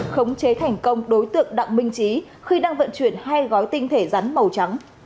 khống chế thành công đối tượng đặng minh trí khi đang vận chuyển hai gói tinh thể rắn màu trắng